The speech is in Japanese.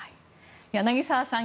柳澤さん